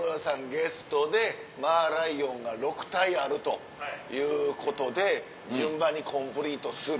ゲストでマーライオンが６体あるということで順番にコンプリートする。